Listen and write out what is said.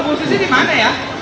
bu susi dimana ya